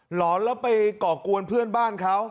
หอนแล้วไปก่อกวนเพื่อนบ้านเขา